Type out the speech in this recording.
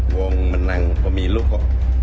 wong menang pemilu kok